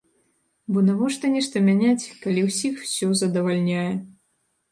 Бо навошта нешта мяняць, калі ўсіх усё задавальняе?